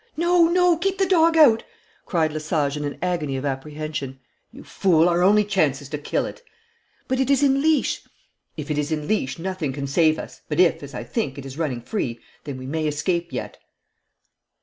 'No, no, keep the dog out!' cried Lesage in an agony of apprehension. 'You fool, our only chance is to kill it.' 'But it is in leash.' 'If it is in leash nothing can save us. But if, as I think, it is running free, then we may escape yet.'